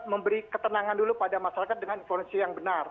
memberi ketenangan dulu pada masyarakat dengan informasi yang benar